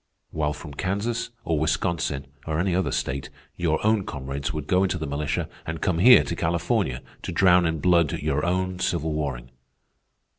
While from Kansas, or Wisconsin, or any other state, your own comrades would go into the militia and come here to California to drown in blood your own civil warring."